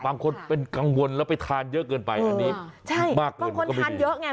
บางคนเป็นกังวลแล้วไปทานเยอะเกินไปอันนี้ใช่หมักก็คนทานเยอะไง